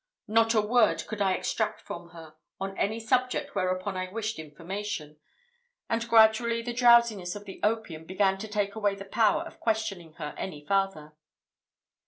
Not a word could I extract from her on any subject whereupon I wished information, and gradually the drowsiness of the opium began to take away the power of questioning her any farther.